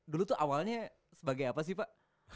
dulu tuh awalnya sebagai apa sih pak